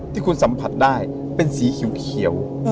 ที่คุณสัมผัสได้เป็นสีเขียว